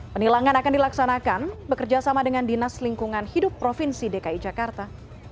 penilangan akan dilaksanakan bekerjasama dengan dinas lingkungan hidup provinsi dki jakarta